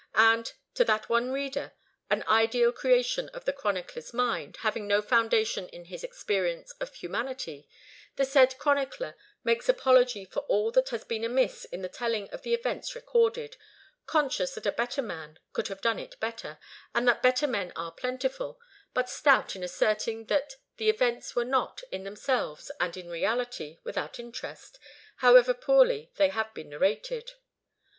And to that one reader an ideal creation of the chronicler's mind, having no foundation in his experience of humanity the said chronicler makes apology for all that has been amiss in the telling of the events recorded, conscious that a better man could have done it better, and that better men are plentiful, but stout in asserting that the events were not, in themselves and in reality, without interest, however poorly they have been narrated.